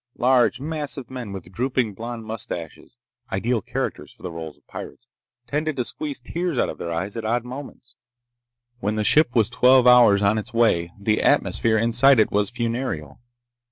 Large, massive men with drooping blond mustaches—ideal characters for the roles of pirates—tended to squeeze tears out of their eyes at odd moments. When the ship was twelve hours on its way, the atmosphere inside it was funereal.